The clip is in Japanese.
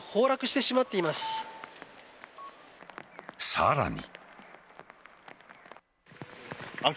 さらに。